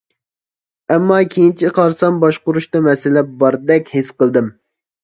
ئەمما كېيىنچە قارىسام باشقۇرۇشتا مەسىلە باردەك ھېس قىلدىم.